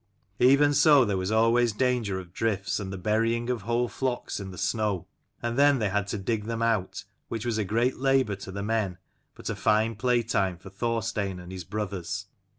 Even so there was always danger of drifts, and the burying of whole flocks in the snow: and then they had to dig them out, which was a great labour to the men, but a fine playtime for Thorstein and his brothers.